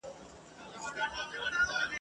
خامکي غاړه نه لرم نوې خولۍ نه لرم ..